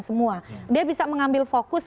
semua dia bisa mengambil fokus